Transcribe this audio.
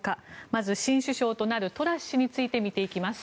まず新首相となるトラス氏について見ていきます。